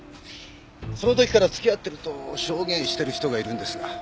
その時から付き合ってると証言してる人がいるんですが。